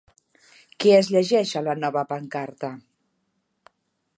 Què es llegeix a la nova pancarta?